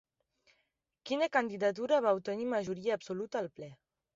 Quina candidatura va obtenir majoria absoluta al ple?